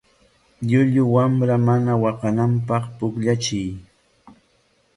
Llullu wamra mana waqananpaq pukllachiy.